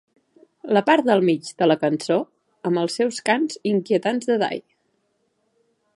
La part del mig de la cançó, amb els seus cants inquietants de Die!